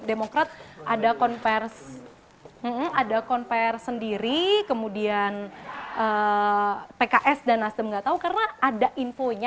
demokrat ada konversi ada konver sendiri kemudian pks dan nasdem nggak tahu karena ada infonya